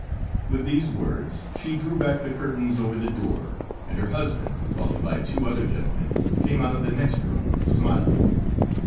With these words, she drew back the curtains over the door, and her husband, followed by two other gentlemen came out of the next room, smiling.